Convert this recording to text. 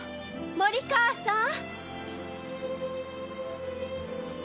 森川さん！